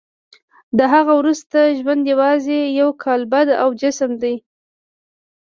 له هغه وروسته ژوند یوازې یو کالبد او جسد دی